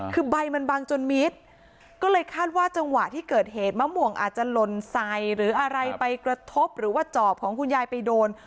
คือใบมันบังจนมิดก็เลยคาดว่าจังหวะที่เกิดเหตุมะม่วงอาจจะหล่นใส่หรืออะไรไปกระทบหรือว่าจอบของคุณยายไปโดน